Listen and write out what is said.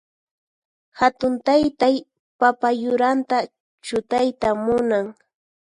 Hatun taytay papa yuranta chutayta munan.